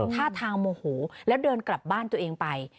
ท่าทางโมโหแล้วเดินกลับบ้านตัวเองไป